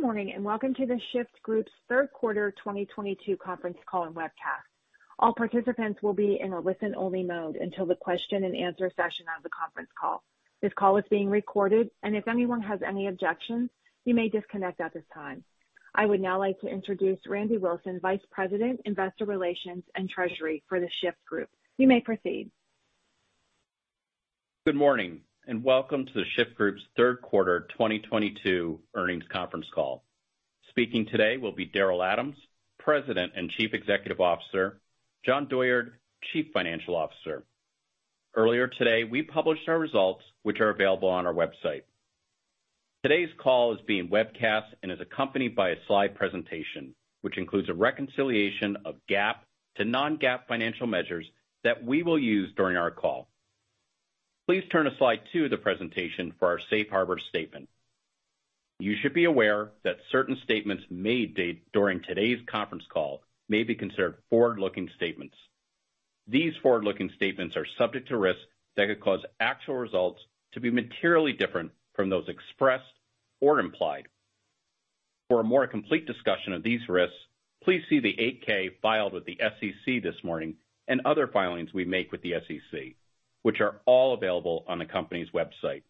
Good morning, and welcome to The Shyft Group's third quarter 2022 conference call and webcast. All participants will be in a listen-only mode until the question and answer session of the conference call. This call is being recorded, and if anyone has any objections, you may disconnect at this time. I would now like to introduce Randy Wilson, Vice President, Investor Relations and Treasury for The Shyft Group. You may proceed. Good morning, and welcome to The Shyft Group's third quarter 2022 earnings conference call. Speaking today will be Daryl Adams, President and Chief Executive Officer, Jon Douyard, Chief Financial Officer. Earlier today, we published our results, which are available on our website. Today's call is being webcast and is accompanied by a slide presentation, which includes a reconciliation of GAAP to Non-GAAP financial measures that we will use during our call. Please turn to slide 2 of the presentation for our safe harbor statement. You should be aware that certain statements made during today's conference call may be considered forward-looking statements. These forward-looking statements are subject to risks that could cause actual results to be materially different from those expressed or implied. For a more complete discussion of these risks, please see the 8-K filed with the SEC this morning and other filings we make with the SEC, which are all available on the company's website.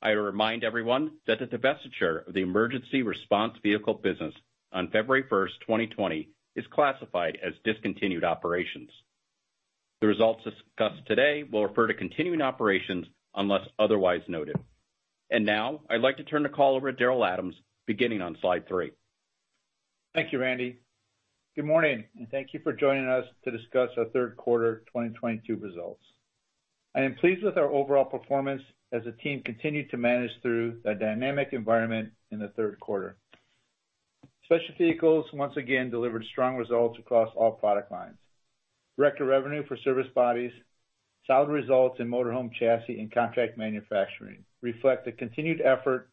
I remind everyone that the divestiture of the emergency response vehicle business on February first, 2020, is classified as discontinued operations. The results discussed today will refer to continuing operations unless otherwise noted. Now I'd like to turn the call over to Daryl Adams, beginning on slide 3. Thank you, Randy. Good morning, and thank you for joining us to discuss our third quarter 2022 results. I am pleased with our overall performance as the team continued to manage through a dynamic environment in the third quarter. Specialty vehicles once again delivered strong results across all product lines. Record revenue for service bodies, solid results in motorhome chassis and contract manufacturing reflect the continued effort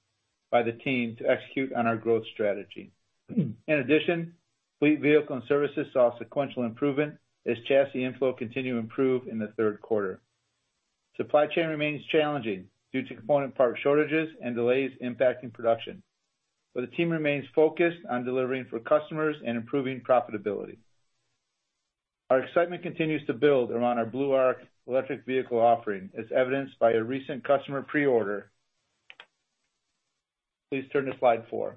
by the team to execute on our growth strategy. In addition, Fleet Vehicles and Services saw sequential improvement as chassis inflow continued to improve in the third quarter. Supply chain remains challenging due to component part shortages and delays impacting production. The team remains focused on delivering for customers and improving profitability. Our excitement continues to build around our Blue Arc electric vehicle offering, as evidenced by a recent customer pre-order. Please turn to slide 4.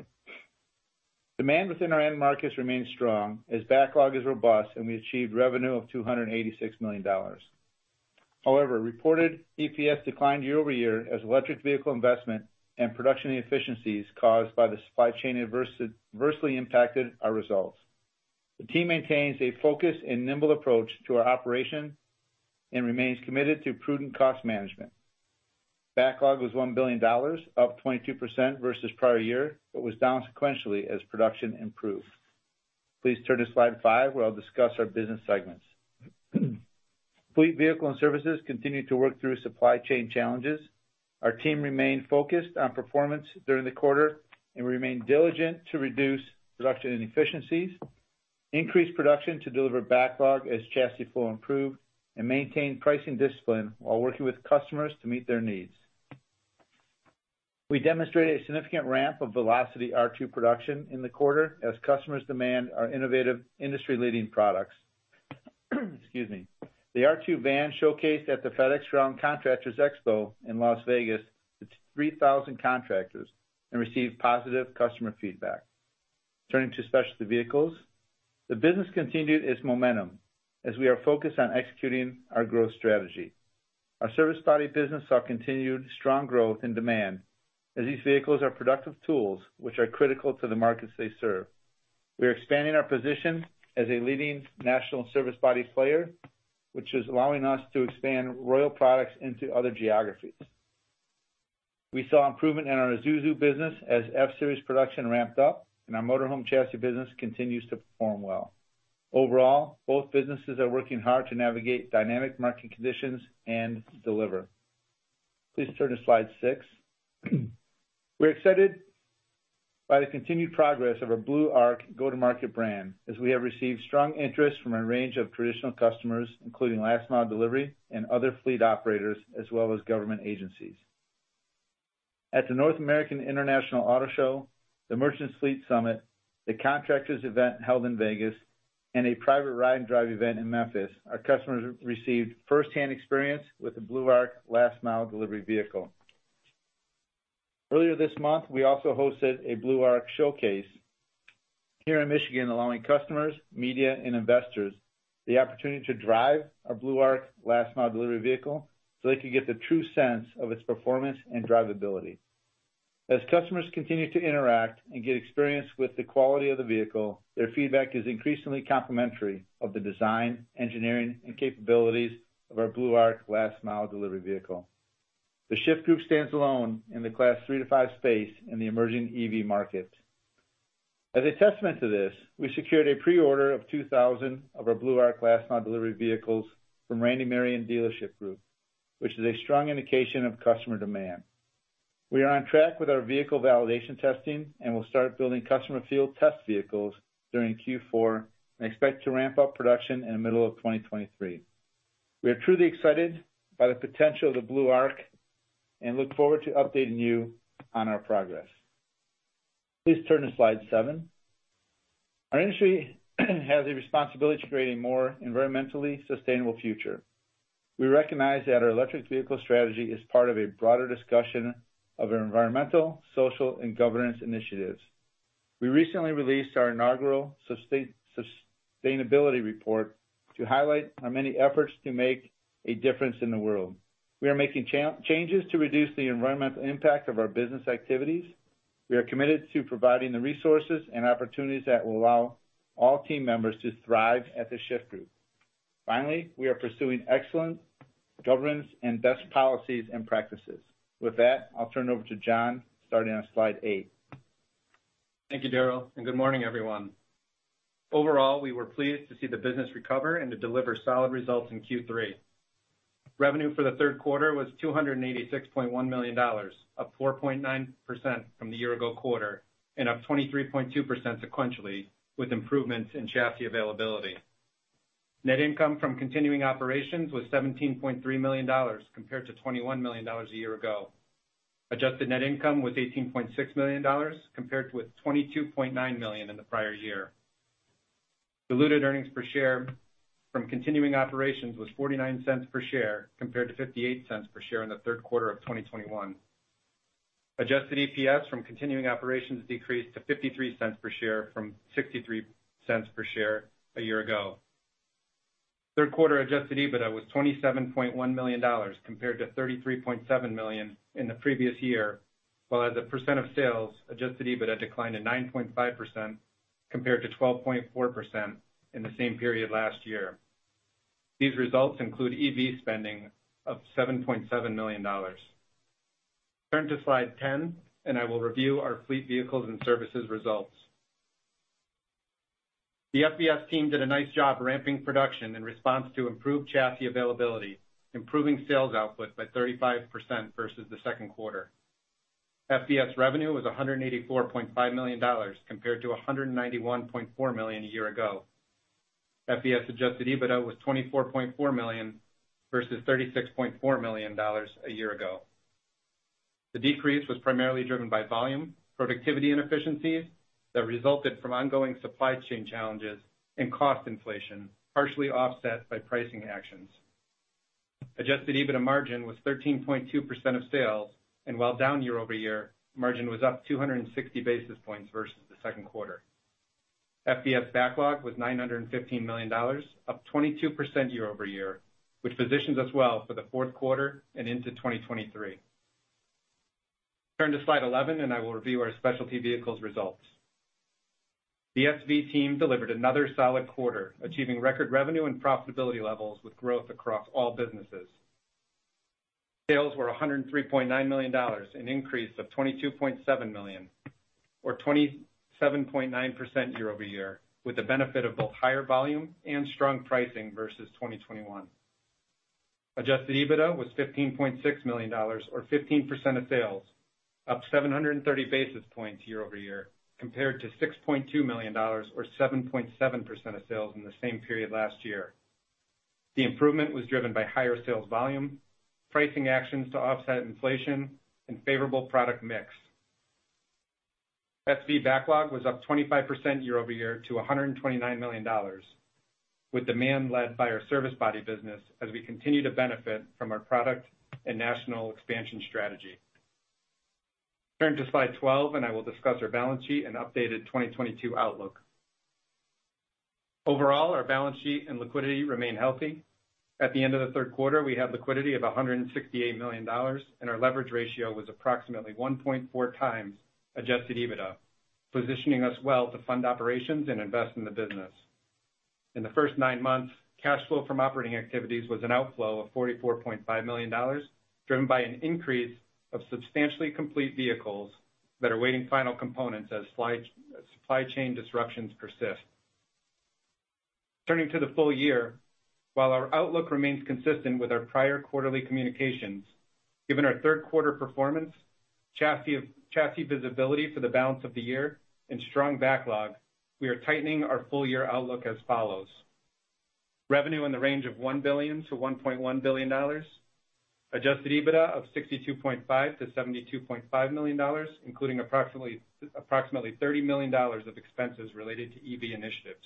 Demand within our end markets remains strong as backlog is robust, and we achieved revenue of $286 million. However, reported EPS declined year-over-year as electric vehicle investment and production inefficiencies caused by the supply chain adversity adversely impacted our results. The team maintains a focused and nimble approach to our operation and remains committed to prudent cost management. Backlog was $1 billion, up 22% versus prior year, but was down sequentially as production improved. Please turn to slide 5, where I'll discuss our business segments. Fleet Vehicles and Services continued to work through supply chain challenges. Our team remained focused on performance during the quarter and remained diligent to reduce production inefficiencies, increase production to deliver backlog as chassis flow improved, and maintain pricing discipline while working with customers to meet their needs. We demonstrated a significant ramp of Velocity R2 production in the quarter as customers demand our innovative industry-leading products. Excuse me. The R2 van showcased at the FedEx Ground Contractor Expo in Las Vegas to 3,000 contractors and received positive customer feedback. Turning to Specialty Vehicles, the business continued its momentum as we are focused on executing our growth strategy. Our service body business saw continued strong growth and demand as these vehicles are productive tools which are critical to the markets they serve. We are expanding our position as a leading national service body player, which is allowing us to expand Royal products into other geographies. We saw improvement in our Isuzu business as F-Series production ramped up, and our motorhome chassis business continues to perform well. Overall, both businesses are working hard to navigate dynamic market conditions and deliver. Please turn to slide 6. We're excited by the continued progress of our Blue Arc go-to-market brand, as we have received strong interest from a range of traditional customers, including last mile delivery and other fleet operators, as well as government agencies. At the North American International Auto Show, the Merchants Fleet Summit, the Contractor Expo held in Las Vegas, and a private ride and drive event in Memphis, our customers received firsthand experience with the Blue Arc last mile delivery vehicle. Earlier this month, we also hosted a Blue Arc showcase here in Michigan, allowing customers, media, and investors the opportunity to drive our Blue Arc last mile delivery vehicle so they could get the true sense of its performance and drivability. As customers continue to interact and get experience with the quality of the vehicle, their feedback is increasingly complimentary of the design, engineering, and capabilities of our Blue Arc last mile delivery vehicle. The Shyft Group stands alone in the Class 3-5 space in the emerging EV market. As a testament to this, we secured a pre-order of 2,000 of our Blue Arc last mile delivery vehicles from Randy Marion Dealership Group, which is a strong indication of customer demand. We are on track with our vehicle validation testing, and we'll start building customer field test vehicles during Q4 and expect to ramp up production in the middle of 2023. We are truly excited by the potential of the Blue Arc and look forward to updating you on our progress. Please turn to slide 7. Our industry has a responsibility to create a more environmentally sustainable future. We recognize that our electric vehicle strategy is part of a broader discussion of our environmental, social and governance initiatives. We recently released our inaugural sustainability report to highlight our many efforts to make a difference in the world. We are making changes to reduce the environmental impact of our business activities. We are committed to providing the resources and opportunities that will allow all team members to thrive at The Shyft Group. Finally, we are pursuing excellence, governance and best policies and practices. With that, I'll turn it over to Jon, starting on slide eight. Thank you, Daryl, and good morning, everyone. Overall, we were pleased to see the business recover and to deliver solid results in Q3. Revenue for the third quarter was $286.1 million, up 4.9% from the year ago quarter, and up 23.2% sequentially, with improvements in chassis availability. Net income from continuing operations was $17.3 million compared to $21 million a year ago. Adjusted net income was $18.6 million compared to a $22.9 million in the prior year. Diluted earnings per share from continuing operations was $0.49 per share compared to $0.58 per share in the third quarter of 2021. Adjusted EPS from continuing operations decreased to $0.53 per share from $0.63 per share a year ago. Third quarter adjusted EBITDA was $27.1 million compared to $33.7 million in the previous year, while as a percent of sales, adjusted EBITDA declined to 9.5% compared to 12.4% in the same period last year. These results include EV spending of $7.7 million. Turn to slide 10, and I will review our fleet vehicles and services results. The FVS team did a nice job ramping production in response to improved chassis availability, improving sales output by 35% versus the second quarter. FVS revenue was $184.5 million compared to $191.4 million a year ago. FVS adjusted EBITDA was $24.4 million versus $36.4 million a year ago. The decrease was primarily driven by volume, productivity inefficiencies that resulted from ongoing supply chain challenges and cost inflation, partially offset by pricing actions. Adjusted EBITDA margin was 13.2% of sales, and while down year-over-year, margin was up 260 basis points versus the second quarter. FVS backlog was $915 million, up 22% year-over-year, which positions us well for the fourth quarter and into 2023. Turn to slide 11 and I will review our specialty vehicles results. The SV team delivered another solid quarter, achieving record revenue and profitability levels with growth across all businesses. Sales were $103.9 million, an increase of $22.7 million or 27.9% year-over-year, with the benefit of both higher volume and strong pricing versus 2021. Adjusted EBITDA was $15.6 million or 15% of sales, up 730 basis points year-over-year compared to $6.2 million or 7.7% of sales in the same period last year. The improvement was driven by higher sales volume, pricing actions to offset inflation and favorable product mix. SV backlog was up 25% year-over-year to $129 million, with demand led by our service body business as we continue to benefit from our product and national expansion strategy. Turn to slide 12 and I will discuss our balance sheet and updated 2022 outlook. Overall, our balance sheet and liquidity remain healthy. At the end of the third quarter, we had liquidity of $168 million, and our leverage ratio was approximately 1.4x adjusted EBITDA, positioning us well to fund operations and invest in the business. In the first nine months, cash flow from operating activities was an outflow of $44.5 million, driven by an increase of substantially complete vehicles that are awaiting final components as supply chain disruptions persist. Turning to the full year, while our outlook remains consistent with our prior quarterly communications, given our third quarter performance, chassis visibility for the balance of the year and strong backlog, we are tightening our full year outlook as follows. Revenue in the range of $1 billion-$1.1 billion. Adjusted EBITDA of $62.5 million-$72.5 million, including approximately $30 million of expenses related to EV initiatives.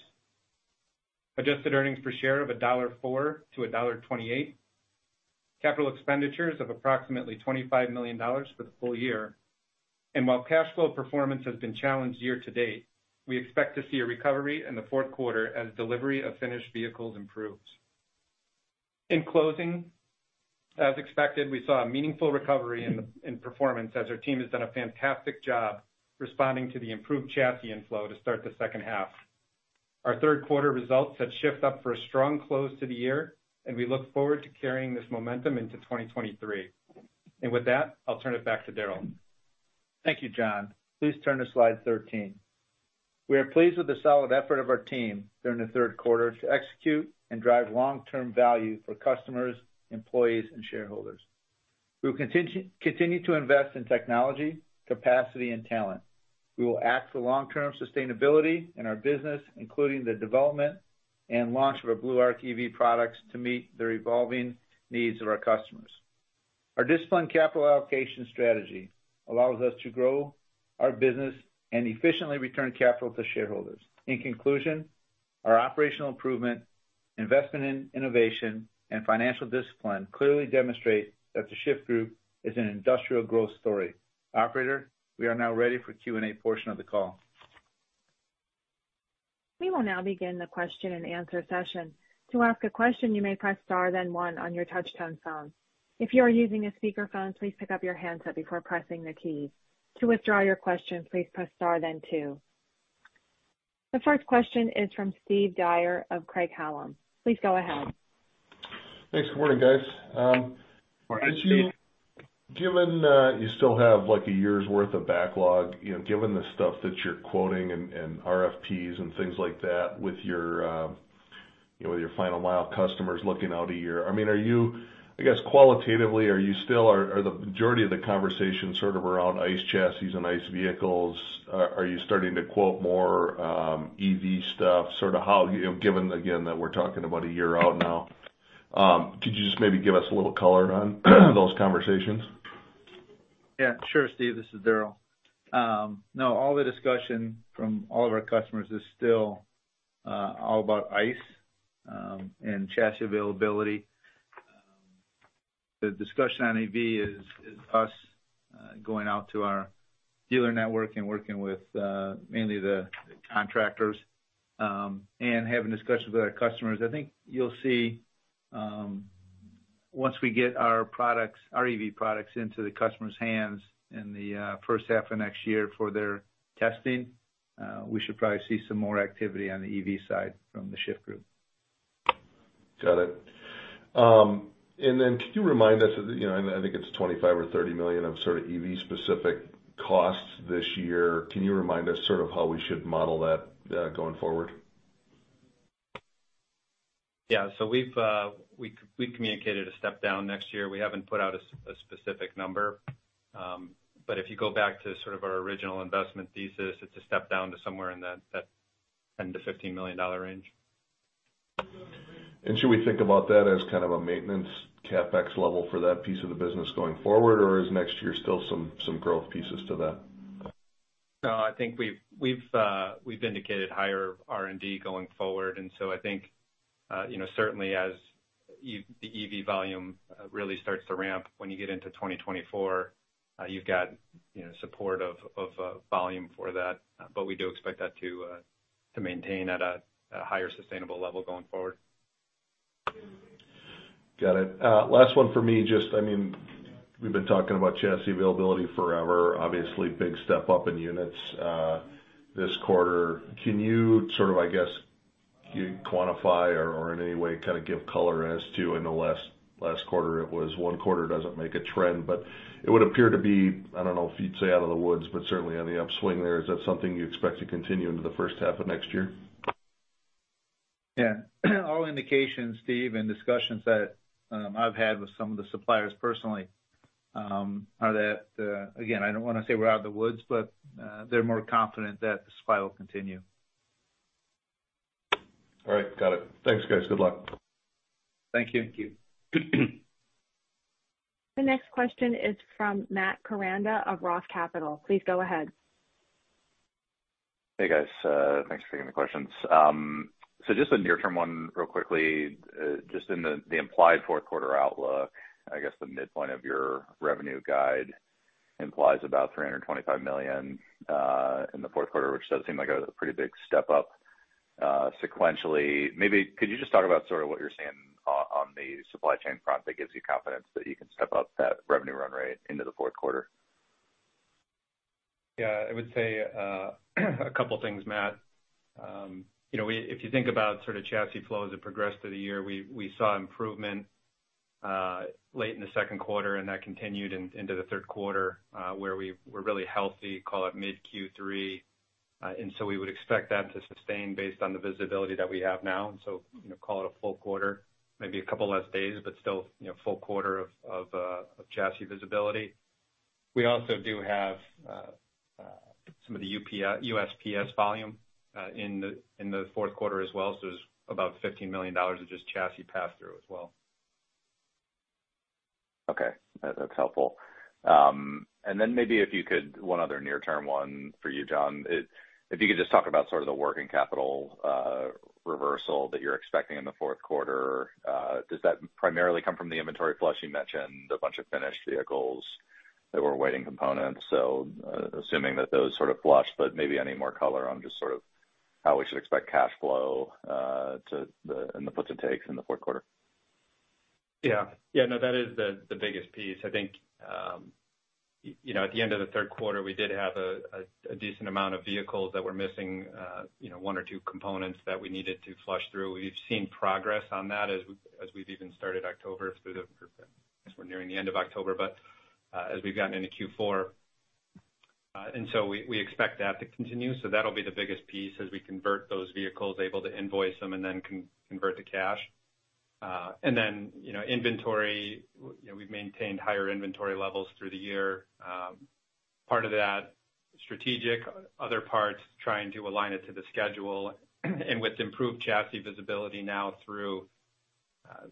Adjusted earnings per share of $1.04-$1.28. Capital expenditures of approximately $25 million for the full year. While cash flow performance has been challenged year to date, we expect to see a recovery in the fourth quarter as delivery of finished vehicles improves. In closing, as expected, we saw a meaningful recovery in performance as our team has done a fantastic job responding to the improved chassis inflow to start the second half. Our third quarter results set Shyft up for a strong close to the year, and we look forward to carrying this momentum into 2023. With that, I'll turn it back to Daryl. Thank you, John. Please turn to slide 13. We are pleased with the solid effort of our team during the third quarter to execute and drive long-term value for customers, employees and shareholders. We'll continue to invest in technology, capacity, and talent. We will act for long-term sustainability in our business, including the development and launch of our Blue Arc EV products to meet the evolving needs of our customers. Our disciplined capital allocation strategy allows us to grow our business and efficiently return capital to shareholders. In conclusion, our operational improvement, investment in innovation, and financial discipline clearly demonstrate that the Shyft Group is an industrial growth story. Operator, we are now ready for Q&A portion of the call. We will now begin the question-and-answer session. To ask a question, you may press star then one on your touchtone phone. If you are using a speaker phone, please pick up your handset before pressing the key. To withdraw your question, please press star then two. The first question is from Steve Dyer of Craig-Hallum. Please go ahead. Thanks. Good morning, guys. Good morning, Steve. Given you still have like a year's worth of backlog, you know, given the stuff that you're quoting and RFPs and things like that with your, you know, with your final mile customers looking out a year, I mean, I guess qualitatively, are the majority of the conversations sort of around ICE chassis and ICE vehicles? Are you starting to quote more EV stuff? So how, you know, given again that we're talking about a year out now, could you just maybe give us a little color on those conversations? Yeah, sure, Steve. This is Daryl. No, all the discussion from all of our customers is still all about ICE and chassis availability. The discussion on EV is us going out to our dealer network and working with mainly the contractors and having discussions with our customers. I think you'll see once we get our products, our EV products into the customer's hands in the first half of next year for their testing, we should probably see some more activity on the EV side from The Shyft Group. Got it. Could you remind us, you know, and I think it's $25 million or $30 million of sort of EV specific costs this year. Can you remind us sort of how we should model that, going forward? Yeah. We've communicated a step down next year. We haven't put out a specific number. If you go back to sort of our original investment thesis, it's a step down to somewhere in that $10 million-$15 million range. Should we think about that as kind of a maintenance CapEx level for that piece of the business going forward? Or is next year still some growth pieces to that? No, I think we've indicated higher R&D going forward. I think, you know, certainly as the EV volume really starts to ramp when you get into 2024, you've got, you know, support of volume for that. But we do expect that to maintain at a higher sustainable level going forward. Got it. Last one for me, just, I mean, we've been talking about chassis availability forever, obviously big step up in units this quarter. Can you sort of, I guess, quantify or in any way kinda give color as to, I know last quarter it was one quarter doesn't make a trend, but it would appear to be, I don't know if you'd say out of the woods, but certainly on the upswing there. Is that something you expect to continue into the first half of next year? Yeah. All indications, Steve, and discussions that I've had with some of the suppliers personally are that, again, I don't wanna say we're out of the woods, but they're more confident that the supply will continue. All right. Got it. Thanks, guys. Good luck. Thank you. Thank you. The next question is from Matthew Koranda of Roth Capital. Please go ahead. Hey, guys. Thanks for taking the questions. Just a near-term one real quickly. Just in the implied fourth quarter outlook, I guess the midpoint of your revenue guide implies about $325 million in the fourth quarter, which does seem like a pretty big step up sequentially. Maybe could you just talk about sort of what you're seeing on the supply chain front that gives you confidence that you can step up that revenue run rate into the fourth quarter? Yeah. I would say a couple things, Matt. You know, if you think about sort of chassis flow as it progressed through the year, we saw improvement late in the second quarter, and that continued into the third quarter, where we were really healthy, call it mid Q3. We would expect that to sustain based on the visibility that we have now. You know, call it a full quarter, maybe a couple less days, but still, you know, full quarter of chassis visibility. We also do have some of the USPS volume in the fourth quarter as well, so there's about $15 million of just chassis pass-through as well. Okay. That's helpful. Maybe if you could, one other near-term one for you, Jon. If you could just talk about sort of the working capital reversal that you're expecting in the fourth quarter. Does that primarily come from the inventory flush? You mentioned a bunch of finished vehicles that were awaiting components. Assuming that those sort of flush, but maybe I need more color on just sort of how we should expect cash flow in the puts and takes in the fourth quarter. Yeah. Yeah, no, that is the biggest piece. I think you know, at the end of the third quarter, we did have a decent amount of vehicles that were missing you know, one or two components that we needed to flush through. We've seen progress on that as we've even started October through the. I guess we're nearing the end of October, but as we've gotten into Q4, and so we expect that to continue. So that'll be the biggest piece as we convert those vehicles, able to invoice them and then convert to cash. And then you know, inventory you know, we've maintained higher inventory levels through the year. Part of that strategic, other parts trying to align it to the schedule. With improved chassis visibility now through,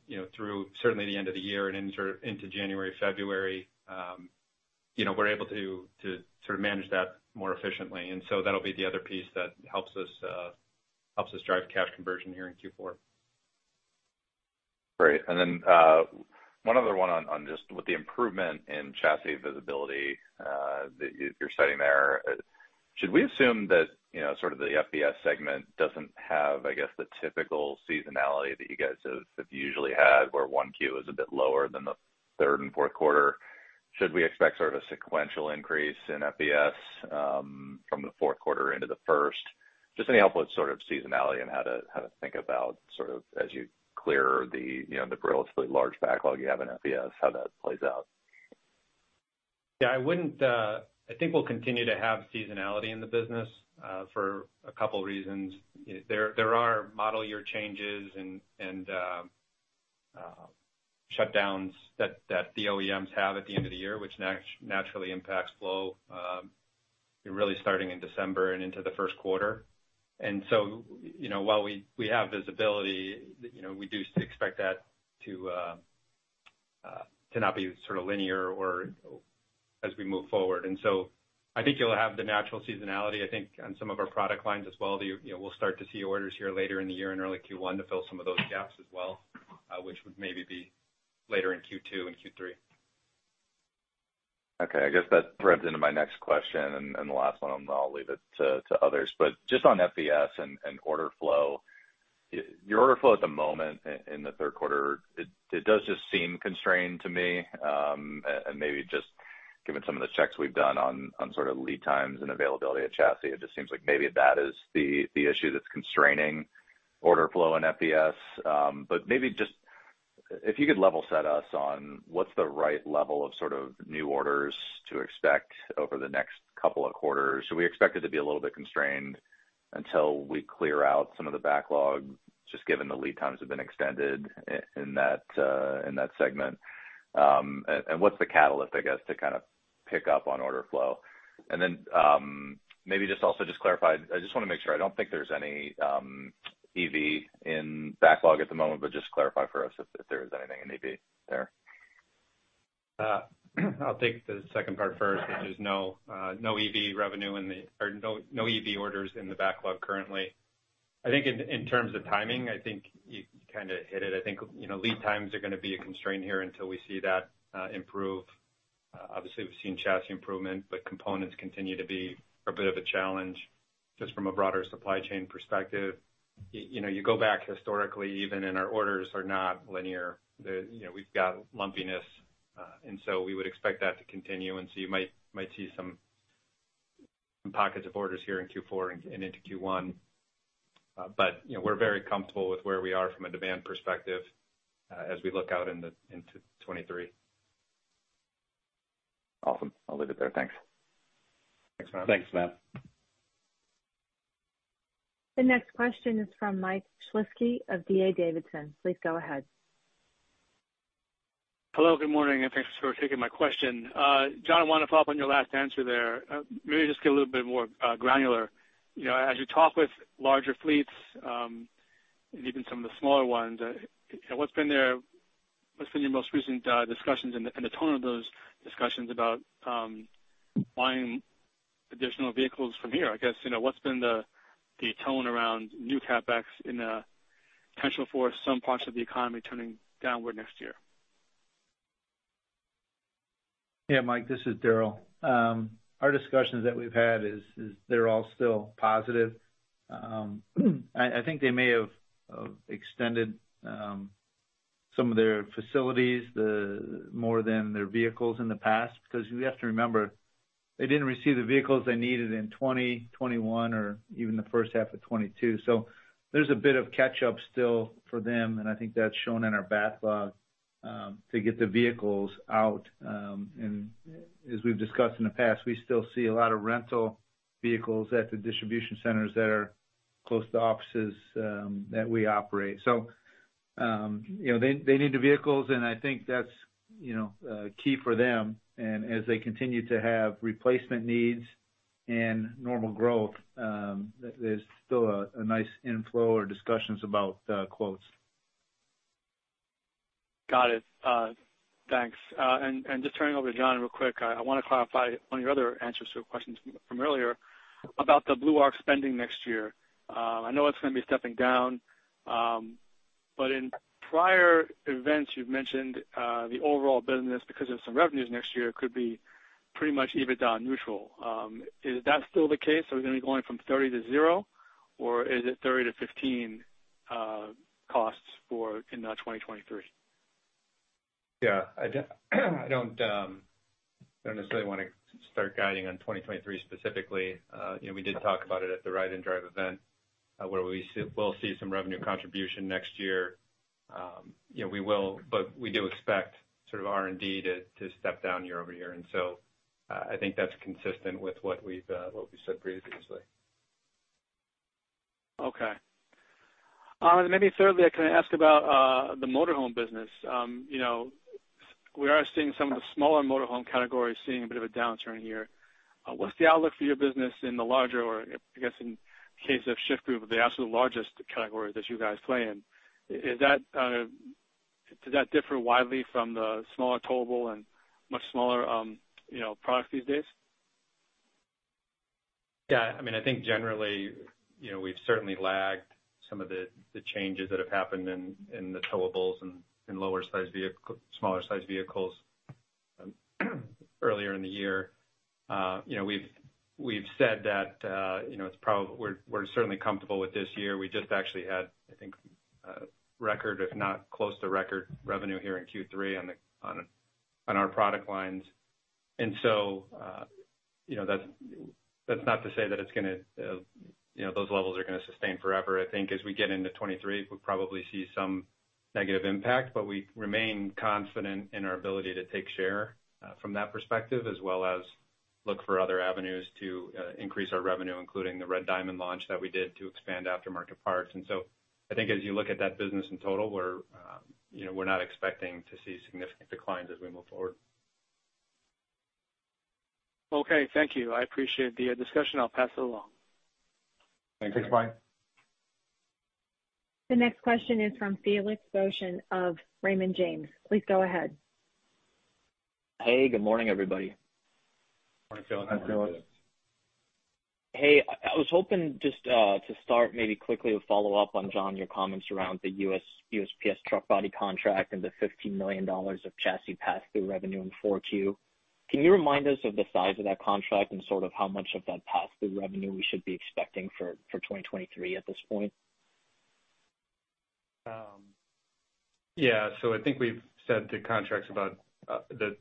you know, through certainly the end of the year and into January, February, you know, we're able to sort of manage that more efficiently. That'll be the other piece that helps us drive cash conversion here in Q4. Great. Then, one other one on just with the improvement in chassis visibility that you're citing there. Should we assume that, you know, sort of the FVS segment doesn't have, I guess, the typical seasonality that you guys have usually had, where one Q is a bit lower than the third and fourth quarter? Should we expect sort of a sequential increase in FVS from the fourth quarter into the first? Just any help with sort of seasonality and how to think about sort of as you clear the, you know, the relatively large backlog you have in FVS, how that plays out. Yeah. I wouldn't. I think we'll continue to have seasonality in the business for a couple reasons. There are model year changes and shutdowns that the OEMs have at the end of the year, which naturally impacts flow really starting in December and into the first quarter. You know, while we have visibility, you know, we do expect that to not be sort of linear or as we move forward. I think you'll have the natural seasonality, I think, on some of our product lines as well. You know, we'll start to see orders here later in the year in early Q1 to fill some of those gaps as well, which would maybe be later in Q2 and Q3. Okay. I guess that threads into my next question and the last one, and then I'll leave it to others. Just on FVS and order flow. Your order flow at the moment in the third quarter, it does just seem constrained to me, and maybe just given some of the checks we've done on sort of lead times and availability of chassis, it just seems like maybe that is the issue that's constraining order flow in FVS. Maybe just if you could level set us on what's the right level of sort of new orders to expect over the next couple of quarters. Should we expect it to be a little bit constrained until we clear out some of the backlog, just given the lead times have been extended in that segment? What's the catalyst, I guess, to kind of pick up on order flow? Maybe just also just clarify, I just wanna make sure, I don't think there's any EV in backlog at the moment, but just clarify for us if there is anything in EV there. I'll take the second part first, which is no EV orders in the backlog currently. I think in terms of timing, I think you kind of hit it. I think, you know, lead times are gonna be a constraint here until we see that improve. Obviously we've seen chassis improvement, but components continue to be a bit of a challenge just from a broader supply chain perspective. You know, you go back historically, even our orders are not linear. You know, we've got lumpiness. We would expect that to continue. You might see some pockets of orders here in Q4 and into Q1. You know, we're very comfortable with where we are from a demand perspective, as we look out into 2023. Awesome. I'll leave it there. Thanks. Thanks, Matt. Thanks, Matt. The next question is from Michael Shlisky of D.A. Davidson. Please go ahead. Hello, good morning, and thanks for taking my question. Jon, I wanna follow up on your last answer there. Maybe just get a little bit more granular. You know, as you talk with larger fleets and even some of the smaller ones, you know, what's been your most recent discussions and the tone of those discussions about buying additional vehicles from here? I guess, you know, what's been the tone around new CapEx and potential for some parts of the economy turning downward next year? Yeah, Mike, this is Daryl. Our discussions that we've had is they're all still positive. I think they may have extended some of their facilities more than their vehicles in the past, because you have to remember, they didn't receive the vehicles they needed in 2020, 2021, or even the first half of 2022. There's a bit of catch up still for them, and I think that's shown in our backlog to get the vehicles out. As we've discussed in the past, we still see a lot of rental vehicles at the distribution centers that are close to offices that we operate. You know, they need the vehicles and I think that's you know key for them. As they continue to have replacement needs and normal growth, there's still a nice inflow of discussions about quotes. Got it. Thanks. Just turning over to Jon real quick. I wanna clarify on your other answers to questions from earlier about the Blue Arc spending next year. I know it's gonna be stepping down, but in prior events, you've mentioned the overall business, because of some revenues next year, could be pretty much EBITDA neutral. Is that still the case? Are we gonna be going from $30-$0, or is it $30-$15 costs for 2023? Yeah. I don't necessarily wanna start guiding on 2023 specifically. You know, we did talk about it at the Ride and Drive event, where we'll see some revenue contribution next year. You know, we will. We do expect sort of R&D to step down year-over-year. I think that's consistent with what we've said previously. Okay. Maybe thirdly, I can ask about the motor home business. You know, we are seeing some of the smaller motor home categories seeing a bit of a downturn here. What's the outlook for your business in the larger or, I guess, in case of the Shyft Group, the absolute largest category that you guys play in? Is that, does that differ widely from the smaller towable and much smaller, you know, products these days? Yeah, I mean, I think generally, you know, we've certainly lagged some of the changes that have happened in the towables and in smaller sized vehicles earlier in the year. You know, we've said that, you know, we're certainly comfortable with this year. We just actually had, I think, record if not close to record revenue here in Q3 on our product lines. You know, that's not to say that it's gonna, you know, those levels are gonna sustain forever. I think as we get into 2023, we'll probably see some negative impact. We remain confident in our ability to take share from that perspective, as well as look for other avenues to increase our revenue, including the Red Diamond launch that we did to expand aftermarket parts. I think as you look at that business in total, we're, you know, we're not expecting to see significant declines as we move forward. Okay, thank you. I appreciate the discussion. I'll pass it along. Thanks. Thanks, Michael. The next question is from Felix Boeschen of Raymond James. Please go ahead. Hey, good morning, everybody. Morning, Felix. Morning, Felix. Hey, I was hoping just to start maybe quickly to follow up on, Jon, your comments around the USPS truck body contract and the $15 million of chassis pass-through revenue in 4Q. Can you remind us of the size of that contract and sort of how much of that pass-through revenue we should be expecting for 2023 at this point? I think we've said the contract's about the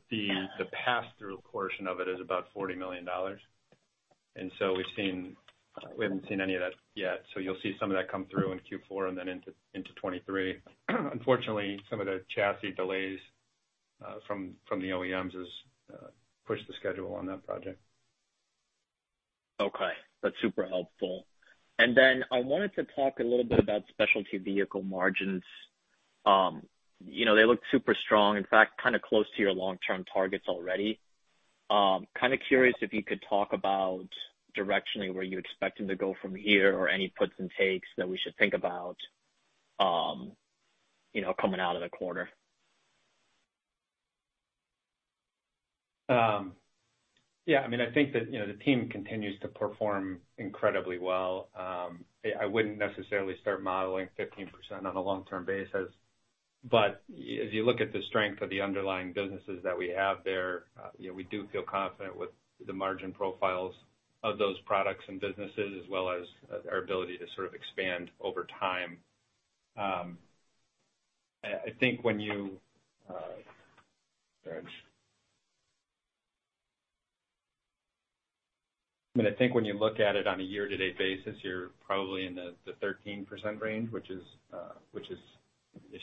pass-through portion of it is about $40 million. We haven't seen any of that yet. You'll see some of that come through in Q4 and then into 2023. Unfortunately, some of the chassis delays from the OEMs has pushed the schedule on that project. Okay. That's super helpful. I wanted to talk a little bit about specialty vehicle margins. You know, they look super strong, in fact, kind of close to your long-term targets already. Kind of curious if you could talk about directionally where you expect them to go from here or any puts and takes that we should think about, you know, coming out of the quarter? Yeah, I mean, I think that, you know, the team continues to perform incredibly well. I wouldn't necessarily start modeling 15% on a long-term basis. As you look at the strength of the underlying businesses that we have there, you know, we do feel confident with the margin profiles of those products and businesses, as well as our ability to sort of expand over time. I think when you look at it on a year-to-date basis, you're probably in the 13% range, which is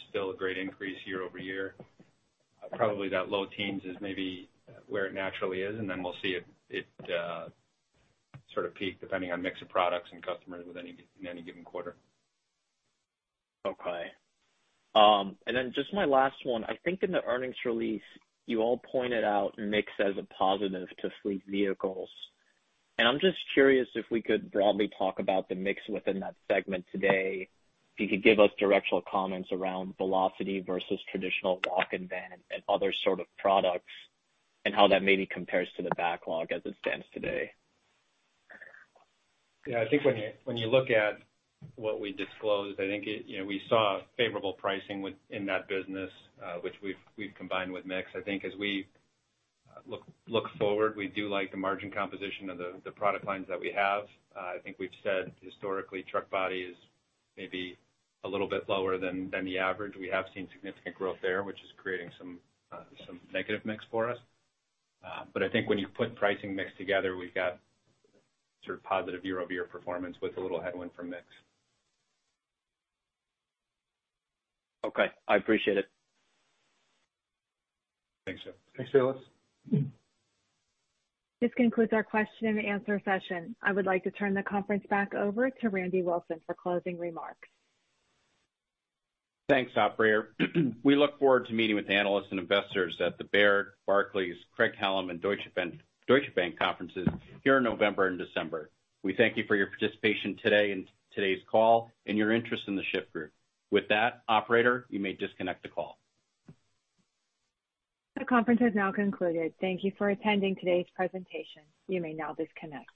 still a great increase year-over-year. Probably that low teens is maybe where it naturally is, and then we'll see it sort of peak depending on mix of products and customers in any given quarter. Okay. Just my last one. I think in the earnings release, you all pointed out mix as a positive to fleet vehicles. I'm just curious if we could broadly talk about the mix within that segment today. If you could give us directional comments around Velocity versus traditional dock and van and other sort of products, and how that maybe compares to the backlog as it stands today. Yeah. I think when you look at what we disclosed, I think it, you know, we saw favorable pricing within that business, which we've combined with mix. I think as we look forward, we do like the margin composition of the product lines that we have. I think we've said historically, truck body is maybe a little bit lower than the average. We have seen significant growth there, which is creating some negative mix for us. I think when you put pricing mix together, we've got sort of positive year-over-year performance with a little headwind from mix. Okay. I appreciate it. Thanks, Felix. Thanks, Felix. This concludes our question and answer session. I would like to turn the conference back over to Randy Wilson for closing remarks. Thanks, operator. We look forward to meeting with analysts and investors at the Baird, Barclays, Craig-Hallum, and Deutsche Bank conferences here in November and December. We thank you for your participation today in today's call and your interest in The Shyft Group. With that, operator, you may disconnect the call. The conference has now concluded. Thank you for attending today's presentation. You may now disconnect.